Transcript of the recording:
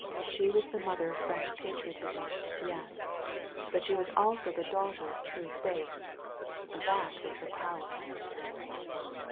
She was the mother of French patriotism — yes. But she was also the daughter of true faith. That was her power."